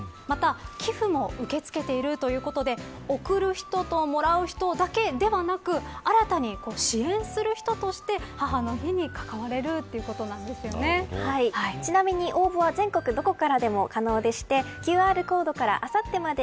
また、寄付も受け付けているということで贈る人ともらう人だけではなく新たに支援する人として母の日にちなみに応募は全国どこからでも可能でしてＱＲコードから、あさってまで